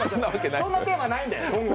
そんなテーマないんで。